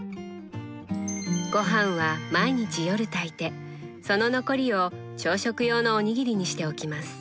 ごはんは毎日夜炊いてその残りを朝食用のおにぎりにしておきます。